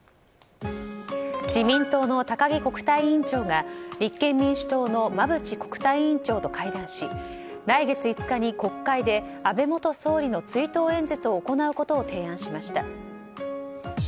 自民党の高木国対委員長が立憲民主党の馬淵国対委員長と会談し来月５日に国会で安倍元総理の追悼演説を行うことを提案しました。